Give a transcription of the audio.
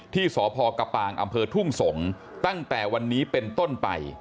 ที่สพกปางอำเภอทุ่งสงศ์ตั้งแต่วันนี้เป็นต้นไป